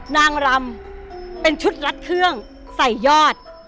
นางรำเป็นชุดรัดเครื่องใส่ยอด